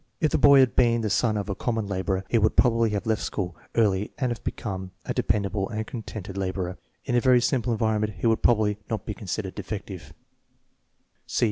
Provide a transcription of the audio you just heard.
If the boy had been the son of a common laborer he would probably have left school early and have become a dependable and contented laborer. Li a very simple environment he would probably not be considered defective.